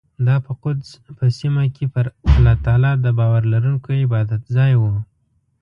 دا په قدس په سیمه کې پر الله تعالی د باور لرونکو عبادتځای و.